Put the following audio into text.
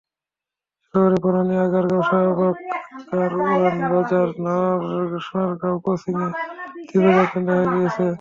শহরের বনানী, আগারগাঁও, শাহবাগ, কারওয়ানবাজার, সোনারগাঁও ক্রসিংয়ে তীব্র যানজট দেখা দিয়েছে।